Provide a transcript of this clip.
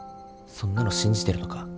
そんなの信じてるのか？